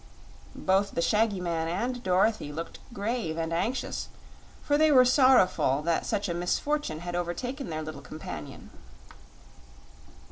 Both the shaggy man and Dorothy looked grave and anxious, for they were sorrowful that such a misfortune had overtaken their little companion.